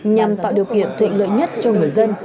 nhằm tạo điều kiện thuận lợi nhất cho người dân